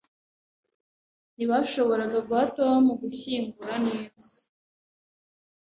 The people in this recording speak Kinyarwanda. Ntibashoboraga guha Tom gushyingura neza.